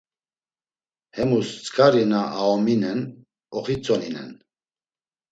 Hemus tzǩari na aominen oxitzoninen.